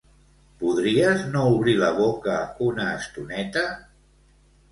Podries no obrir la boca una estoneta?